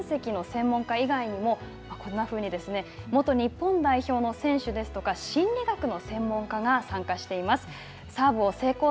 コーチやトレーナーデータ分析の専門家以外にも、こんなふうに、元日本代表の選手ですとか、心理学の専門家が参加しています。